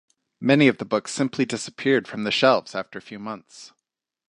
Many of the books simply disappeared from the shelves after a few months.